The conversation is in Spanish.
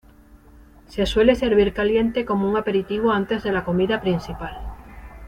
Se suele servir caliente como un aperitivo antes de la comida principal.